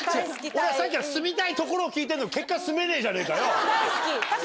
さっきから住みたい所を聞いてるのに、結果、住めねえじゃねえかよ。